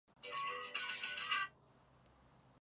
Fajardo nació en la ciudad de Guayaquil, Ecuador.